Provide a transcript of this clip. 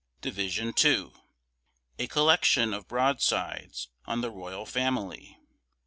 DIVISION II. A COLLECTION OF BROADSIDES ON THE ROYAL FAMILY.